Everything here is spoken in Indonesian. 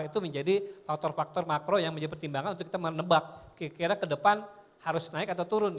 itu menjadi faktor faktor makro yang menjadi pertimbangan untuk kita menebak kira kira ke depan harus naik atau turun